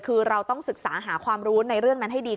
คือเราต้องศึกษาหาความรู้ในเรื่องนั้นให้ดี